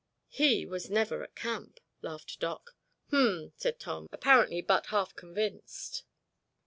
"He was never at camp," laughed Doc. "Hmn," said Tom, apparently but half convinced.